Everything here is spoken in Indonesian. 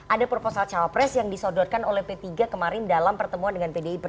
ada proposal cawapres yang disodorkan oleh p tiga kemarin dalam pertemuan dengan pdi perjuangan